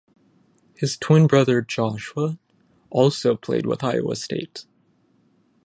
His twin brother Joshua also played with Iowa State.